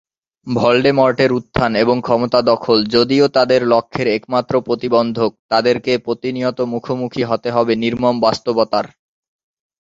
ভলডেমর্টের উত্থান এবং ক্ষমতা দখল যদিও তাদের লক্ষ্যের একমাত্র প্রতিবন্ধক, তাদেরকে প্রতিনিয়ত মুখোমুখি হতে হবে নির্মম বাস্তবতার।